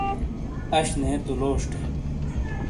اݜ نے تو لوݜٹے!